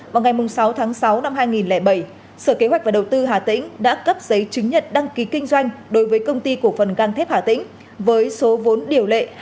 vào ngày sáu tháng sáu năm hai nghìn bảy sở kế hoạch và đầu tư hà tĩnh đã cấp giấy chứng nhận đăng ký kinh doanh đối với công ty cổ phần gang thép hà tĩnh với số vốn điều lệ